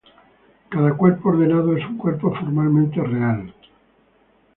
Cada cuerpo ordenado es un cuerpo formalmente real.